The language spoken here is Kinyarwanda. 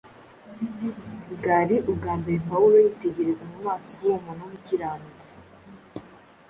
bwari ubwa mbere Pawulo yitegereza mu maso h’uwo muntu w’umukiranutsi.